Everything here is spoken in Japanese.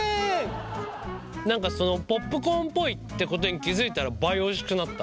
何かポップコーンっぽいってことに気付いたら倍おいしくなった。